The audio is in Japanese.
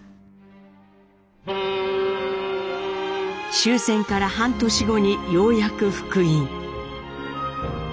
終戦から半年後にようやく復員。